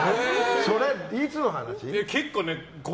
それいつの話？